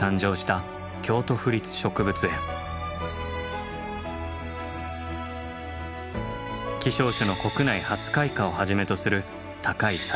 希少種の国内初開花をはじめとする高い栽培技術。